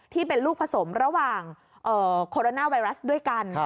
ที่เป็นลูกผสมระหว่างโคโรนาไวรัสด้วยกัน